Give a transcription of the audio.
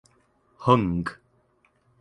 Hung.